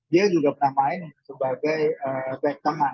dia juga pernah main sebagai back tenang